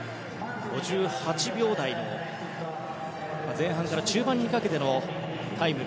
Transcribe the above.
５８秒台の前半から中盤にかけてのタイム。